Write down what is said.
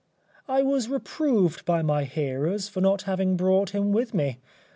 I was reproved by my hearers for not having brought him with me.